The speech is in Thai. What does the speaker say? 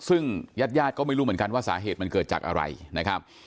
ซึ่งญาติญาติก็ไม่รู้เหมือนกันว่าสาเหตุมันเกิดจากอะไรนะครับ